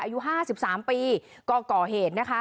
อายุ๕๓ปีก็ก่อเหตุ